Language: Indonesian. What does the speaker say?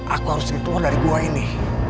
aku harus hitung dari gua ini